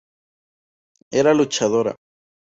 Era luchadora.